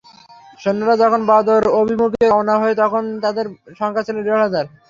সৈন্যরা যখন বদর অভিমুখে রওনা হয় তখন তাদের সংখ্যা ছিল দেড় হাজার।